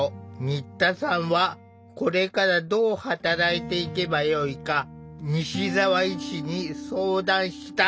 新田さんは「これからどう働いていけばよいか」西澤医師に相談した。